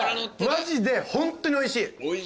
マジでホントにおいしい。